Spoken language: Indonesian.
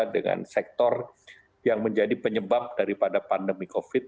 dengan sektor yang menjadi penyebab daripada pandemi covid